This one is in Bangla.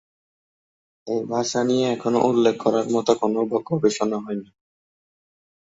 এ ভাষা নিয়ে এখনো উল্লেখ করার মতো কোন গবেষণা হয়নি।